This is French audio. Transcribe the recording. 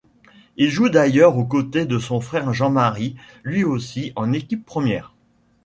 Il joue d'ailleurs aux côtés de son frère Jean-Marie, lui aussi en équipe première.